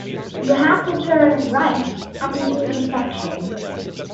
You have to turn right at the intersection.